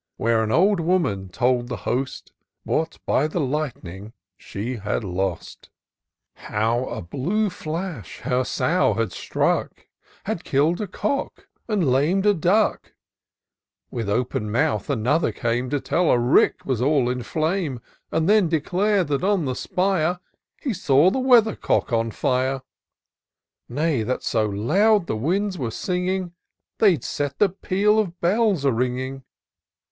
Where an old woman told the host, What by the lightning she had lost ; How a blue flash her sow had struck, Had kill'd a cock and lam'd a duck ! With open mouth another came, To tell a rick was in a flame, And then declar'd that on the spire He saw the weathercock on fire ; IN SEARCH OF THE PICTURESQUE. 89 Nay, that so loud the winds were singing, They'd set the peal of bells a ringing